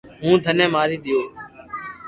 ھون ٿني ماري دآيو